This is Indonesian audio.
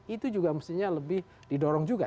itu juga mestinya lebih didorong juga